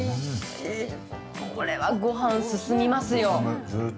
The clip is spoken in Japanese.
これはご飯進みますよ。